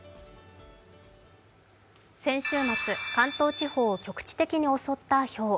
先週末、関東地方を局地的に襲ったひょう。